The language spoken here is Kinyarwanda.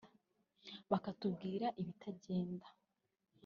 bakatubwira ibitagenda